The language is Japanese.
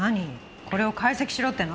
これを解析しろっていうの？